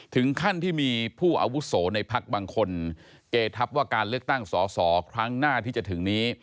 ถึงขั้นที่มีผู้อาวุโสในพักบางคนเกทับว่าการเลือกตั้งสอสอครั้งหน้าที่จะถึงนี้